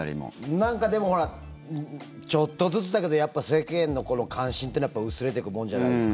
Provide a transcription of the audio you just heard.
なんかでも、ほらちょっとずつだけどやっぱり世間の関心っていうのは薄れていくものじゃないですか。